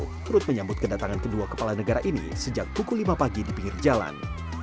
turut menyambut kedatangan kedua kepala negara ini sejak pukul lima pagi di pinggir jalan